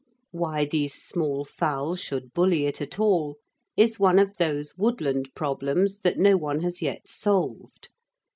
Why these small fowl should bully it at all is one of those woodland problems that no one has yet solved.